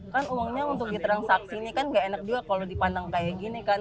kan uangnya untuk ditransaksi ini kan gak enak juga kalau dipandang kayak gini kan